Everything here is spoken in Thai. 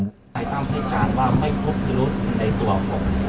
ธนายตั้มสินชาญว่าไม่พบทฤษในส่วนของคนคนที่เหลือวันนี้ไปพบของธนายตั้ม